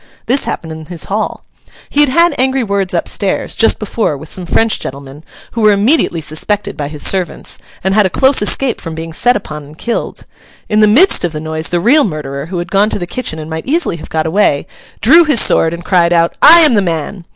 This happened in his hall. He had had angry words up stairs, just before, with some French gentlemen, who were immediately suspected by his servants, and had a close escape from being set upon and killed. In the midst of the noise, the real murderer, who had gone to the kitchen and might easily have got away, drew his sword and cried out, 'I am the man!